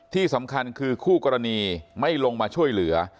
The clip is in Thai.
ที่สำคัญคือคู่กรณีไม่ลงมาช่วยเหลือ